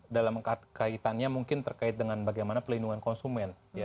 dalam kaitannya mungkin terkait dengan bagaimana pelindungan konsumen